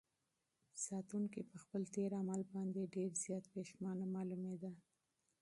ساتونکي په خپل تېر عمل باندې ډېر زیات پښېمانه معلومېده.